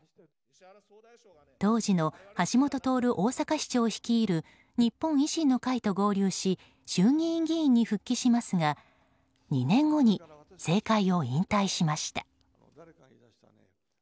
当時の橋下徹大阪市長率いる日本維新の会と合流し衆議院議員に復帰しますが２年後に政界を引退しました。